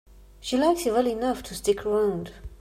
She likes you well enough to stick around.